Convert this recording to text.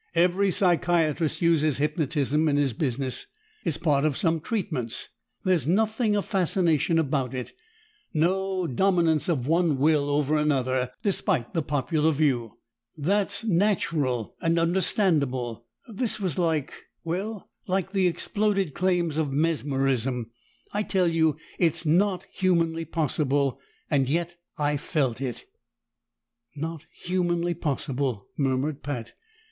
Every psychiatrist uses hypnotism in his business; it's part of some treatments. There's nothing of fascination about it; no dominance of one will over another, despite the popular view. That's natural and understandable; this was like well, like the exploded claims of Mesmerism. I tell you, it's not humanly possible and yet I felt it!" "Not humanly possible," murmured Pat.